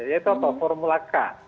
yaitu apa formula k